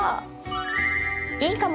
いいかも！